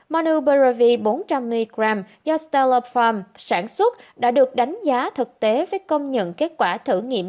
monubiravir bốn trăm linh mg do stellar farm sản xuất đã được đánh giá thực tế với công nhận kết quả thử nghiệm